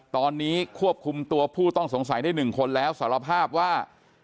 ตอนนี้ควบคุมตัวผู้ต้องสงสัยได้๑คนแล้วสารภาพว่า